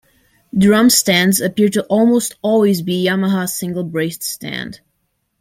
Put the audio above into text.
Drum stands appear to almost always be Yamaha single braced stand.